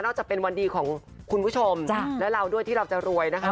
จะเป็นวันดีของคุณผู้ชมและเราด้วยที่เราจะรวยนะคะ